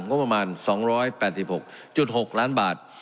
โง่งประมาณสองร้อยแปดสี่ปราสิบหกจุดหกล้านบาท